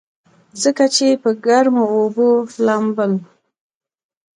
ځکه چې پۀ ګرمو اوبو لامبل